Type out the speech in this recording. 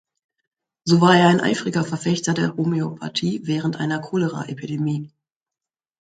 So war er ein eifriger Verfechter der Homöopathie während einer Choleraepidemie.